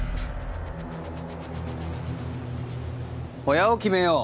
親を決めよう